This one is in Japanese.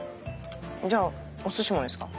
じゃあお寿司もですか？